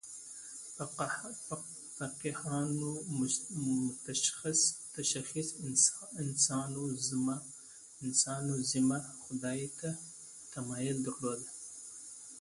فقیهانو متشخص انسانوزمه خدای ته تمایل درلود.